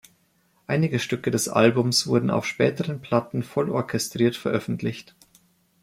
Einige Stücke des Albums wurden auf späteren Platten voll orchestriert veröffentlicht.